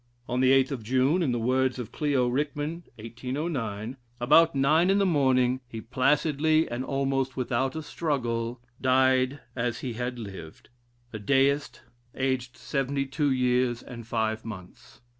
On the 8th of June, (in the words of Clio Rickman) 1809. about nine in the morning, he placidly, and almost without a struggle, died as he had lived, a Deist, aged seventy two years and five months.